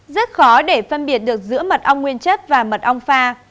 rất khó để phân biệt được giữa mật ong nguyên chất và mật ong pha